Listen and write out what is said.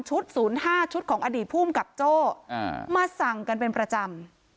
ชุดศูนย์ห้าชุดของอดีตภูมิกับโจ้อ่ามาสั่งกันเป็นประจำ